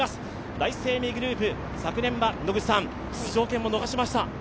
第一生命グループ、昨年は出場権も逃しました。